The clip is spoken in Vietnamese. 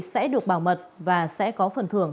sẽ được bảo mật và sẽ có phần thưởng